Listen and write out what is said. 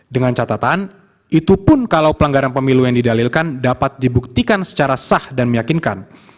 dengan catatan itu pun kalau pelanggaran pemilu yang didalilkan dapat dibuktikan secara sah dan meyakinkan